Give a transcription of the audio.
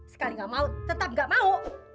sekali nggak mau tetap nggak mau